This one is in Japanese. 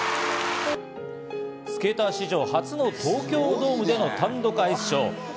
スケーター史上初の東京ドームでのアイスショーで単独のショー。